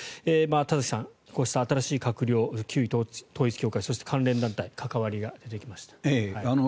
田崎さん、こうした新しい閣僚旧統一教会やそして関連団体関わりが出てきました。